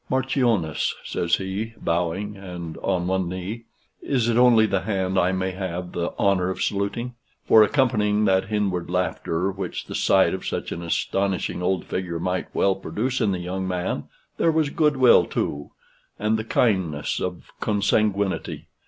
"Marchioness," says he, bowing, and on one knee, "is it only the hand I may have the honor of saluting?" For, accompanying that inward laughter, which the sight of such an astonishing old figure might well produce in the young man, there was good will too, and the kindness of consanguinity.